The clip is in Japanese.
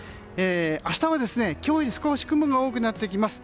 明日は今日より少し雲が多くなってきます。